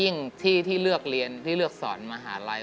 ยิ่งที่ที่เลือกเรียนที่เลือกสอนมหาลัย